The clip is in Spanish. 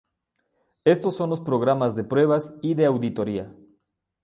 Estos son los programas de pruebas y de auditoría.